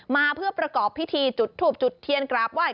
มาเพื่อประกอบพิธีจุดทูบจุดเทียนกราบไหว้